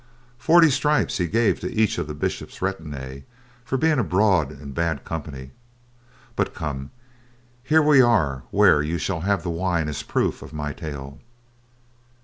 Forty stripes he gave to each of the Bishop's retinue for being abroad in bad company; but come, here we are where you shall have the wine as proof of my tale."